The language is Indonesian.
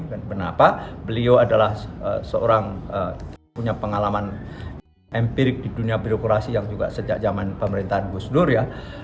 kenapa beliau adalah seorang punya pengalaman empirik di dunia birokrasi yang juga sejak zaman pemerintahan gus dur ya